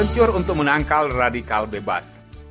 kencur untuk menangkal radical bebas